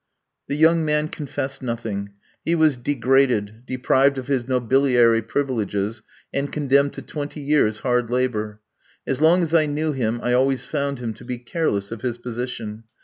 The young man confessed nothing. He was degraded, deprived of his nobiliary privileges, and condemned to twenty years' hard labour. As long as I knew him I always found him to be careless of his position.